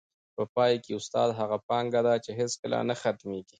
په پای کي، استاد هغه پانګه ده چي هیڅکله نه ختمېږي.